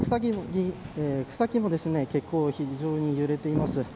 草木も非常に揺れています。